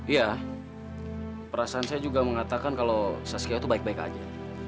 iya perasaan saya juga mengatakan kalau saskio itu baik baik aja